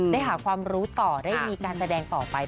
ได้หาความรู้ต่อได้มีการแสดงต่อไป